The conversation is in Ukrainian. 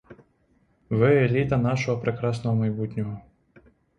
Ви еліта нашого прекрасного майбутнього.